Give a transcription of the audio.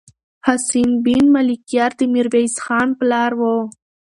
حسين بن ملکيار د ميرويس خان پلار و.